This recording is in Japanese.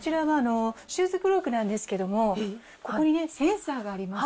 シューズクロークなんですけども、ここにセンサーがあります。